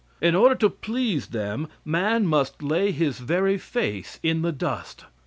In order to please them, man must lay his very face in the dust.